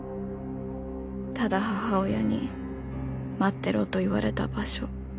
ただ母親に「待ってろ」と言われた場所